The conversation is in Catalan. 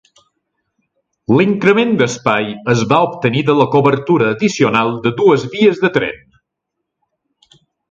L'increment d'espai es va obtenir de la cobertura addicional de dues vies de tren.